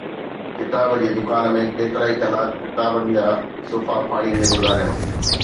ڪتاب جي دڪان ۾ ڪيترائي ڪلاڪ ڪتابن جا صفحا ڦاڙيندي گذاريم